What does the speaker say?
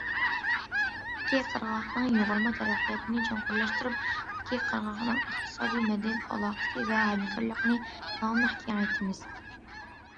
ئىككى قىرغاقنىڭ يۇغۇرما تەرەققىياتىنى چوڭقۇرلاشتۇرۇپ، ئىككى قىرغاقنىڭ ئىقتىساد، مەدەنىيەت ئالاقىسى ۋە ھەمكارلىقىنى داۋاملىق كېڭەيتىمىز.